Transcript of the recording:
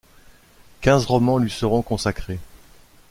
Quinze romans lui seront consacrés.